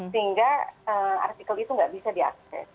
sehingga artikel itu nggak bisa diakses